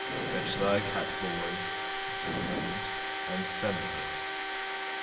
"Fetch thy cat, boy," said the merchant, "and send her."